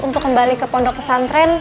untuk kembali ke pondok pesantren